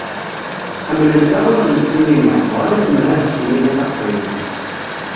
Ḥemmlen taɣult n ssinima, bɣan ad temhaz ssinima taqbaylit.